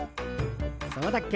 そうだっけ。